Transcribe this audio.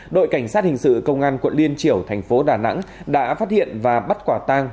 đội cảnh sát hình sự công an quận liên triểu thành phố đà nẵng đã phát hiện và bắt quả tang